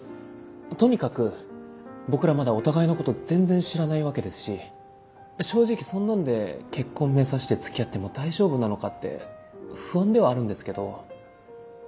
とにかく僕らまだお互いのこと全然知らないわけですし正直そんなんで結婚目指して付き合っても大丈夫なのか？って不安ではあるんですけど。